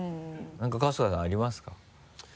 何か春日さんありますか？